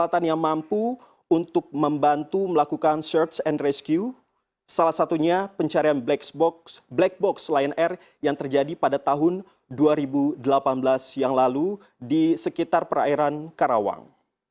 the black box lion air yang terjadi pada tahun dua ribu delapan belas yang lalu di sekitar perairan karawang